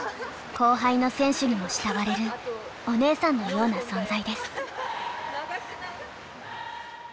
後輩の選手にも慕われるお姉さんのような存在です。